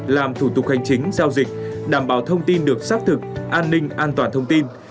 làm thủ tục hành chính giao dịch đảm bảo thông tin được xác thực an ninh an toàn thông tin